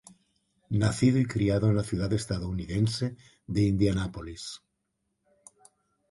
Nacido y criado en la ciudad estadounidense de Indianápolis.